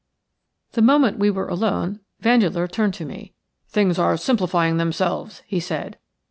The moment we were alone Vandeleur turned to me. "Things are simplifying themselves," he said.